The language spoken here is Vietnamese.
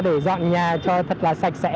để dọn nhà cho thật là sạch sẽ